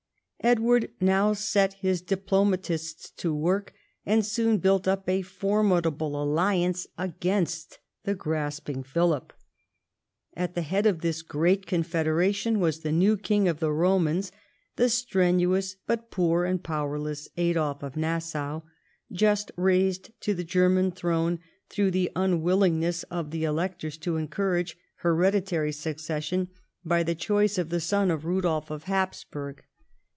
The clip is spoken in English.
Edward now set his diplomatists to work, and soon built up a formidable alliance against the grasping Philip. At the head of this great confederacy was the new king of the llomans, the strenuous but poor and powerless Adolf of Nassau, just raised to the German throne through the unwillingness of the electors to encourage hereditary succession by the choice of the son of Rudolf of Haps XI THE YEARS OF CRISIS 183 burg.